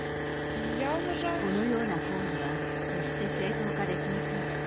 このような行為は決して正当化できません。